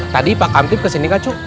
tadi pak hantip kesini kak cu